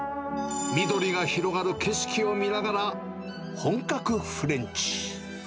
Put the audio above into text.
緑が広がる景色を見ながら、本格フレンチ。